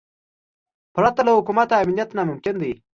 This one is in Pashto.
پرته له حکومت امنیت ناممکن دی.